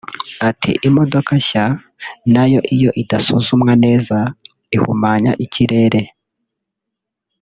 Ati “Imodoka nshya na yo iyo idasuzumwa nneza ihumanya ikirere